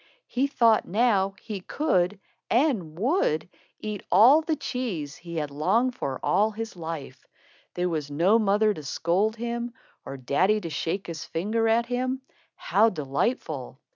He thought now he could, and would, eat all the cheese he had longed for all his life. There was no mother to scold him, or daddy to shake his finger at him. How delightful!